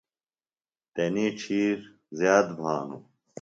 تنی ڇِھیر زِیات بھانوۡ۔